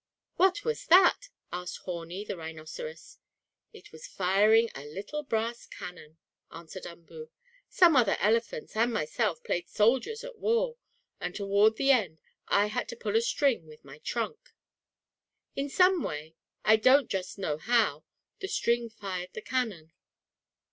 "What was that?" asked Horni, the rhinoceros. "It was firing a little brass cannon," answered Umboo. "Some other elephants and myself played soldiers at war, and toward the end I had to pull a string with my trunk. In some way, I don't just know how, the string fired the cannon.